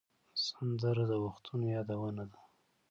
سندره د وختونو یادونه ده